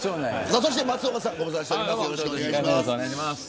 そして松岡さんご無沙汰しております。